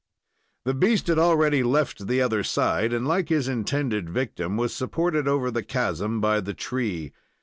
The beast had already left the other side, and, like his intended victim, was supported over the chasm by the tree.